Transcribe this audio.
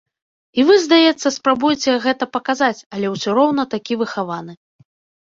І вы, здаецца, спрабуеце гэта паказаць, але ўсё роўна такі выхаваны.